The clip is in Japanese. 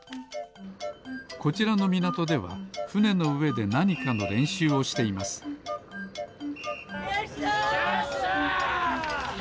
こちらのみなとではふねのうえでなにかのれんしゅうをしていますよいしょ！